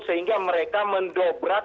sehingga mereka mendobrak